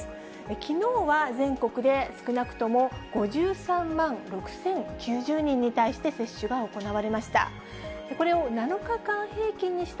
きのうは全国で少なくとも５３万６０９０人に対して接種が行われました。